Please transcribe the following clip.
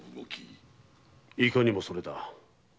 いかにもそれだ。